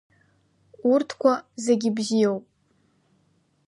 Урҭқәа зегьы бзиоуп.